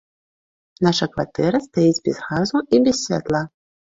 Наша кватэра стаіць без газу і без святла.